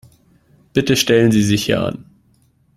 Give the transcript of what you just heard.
Bitte stellen Sie sich hier an.